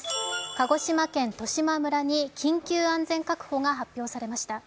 鹿児島県十島村に緊急安全確保が発表されました。